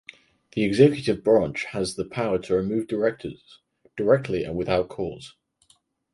The executive branch has the power to remove directors "directly and without cause".